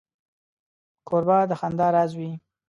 کوربه د خندا راز وي.